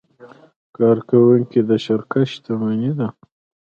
کارکوونکي د شرکت شتمني ده.